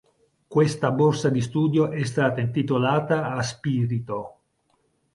Questa borsa di studio è stata intitolata a Spirito.